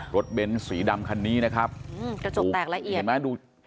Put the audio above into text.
เบ้นสีดำคันนี้นะครับกระจกแตกละเอียดเห็นไหมดู